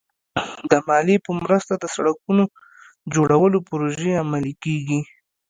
د مالیې په مرسته د سړکونو جوړولو پروژې عملي کېږي.